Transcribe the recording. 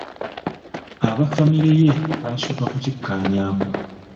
Aba famire ye basooka kukikkaanyaako.